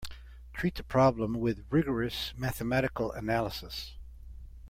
Treat the problem with rigorous mathematical analysis.